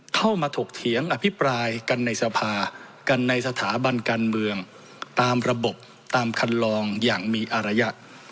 ถกเถียงอภิปรายกันในสภากันในสถาบันการเมืองตามระบบตามคันลองอย่างมีอารยะ